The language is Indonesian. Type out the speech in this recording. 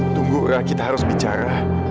tunggu ra kita harus bicara